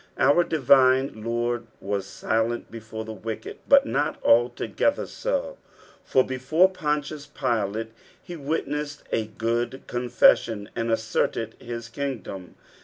Our divine Lord was silent before the wicked, but not alto gether so, for before Pontius Pilate he witnessed a good confession, and asserted nis kingdom.